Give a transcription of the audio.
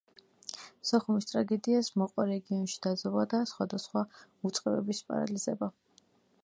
სოხუმის ტრაგედიას მოყვა რეგიონში დაძაბვა და სხვადასხვა უწყებების პარალიზება.